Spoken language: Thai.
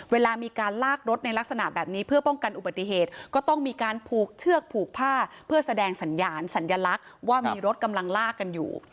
เวลามีการลากรถในลักษณะแบบนี้เพื่อป้องกันอุบัติเหตุก็ต้องมีการผูกเชือกผูกผ้าเพื่อแสดงสัญญาณสัญลักษณ์ว่ามีรถกำลังลากกันอยู่